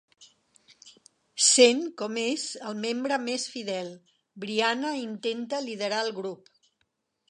Sent com és el membre més fidel, Brianna intenta liderar el grup.